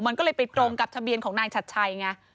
มันก็เลยไปตรงกับทะเบียนของนายชัดชัยไง